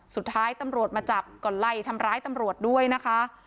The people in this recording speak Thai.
สุดท้ายตำรวจมาจับก็ไล่ทำร้ายตำรวจด้วยนะคะ